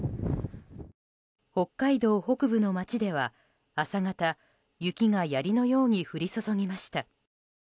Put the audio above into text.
北海道北部の町では朝方、雪がやりのように降り注ぎました。